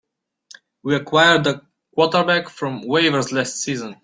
We acquired the quarterback from waivers last season.